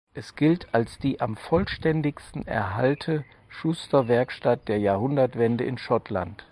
Es gilt als die am vollständigsten erhalte Schusterwerkstatt der Jahrhundertwende in Schottland.